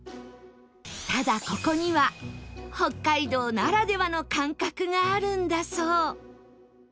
ただここには北海道ならではの感覚があるんだそう